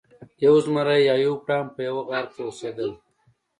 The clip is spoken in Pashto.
یو زمری او یو پړانګ په یوه غار کې اوسیدل.